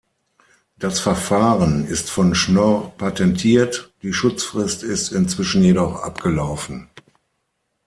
Das Verfahren ist von Schnorr patentiert, die Schutzfrist ist inzwischen jedoch abgelaufen.